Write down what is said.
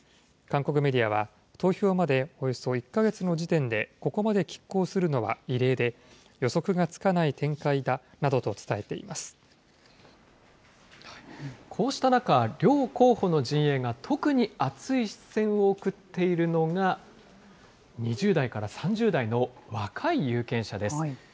韓国メディアは、投票までおよそ１か月の時点でここまできっ抗するのは異例で、予測がつかない展こうした中、両候補の陣営が特に熱い視線を送っているのが、２０代から３０代の若い有権者です。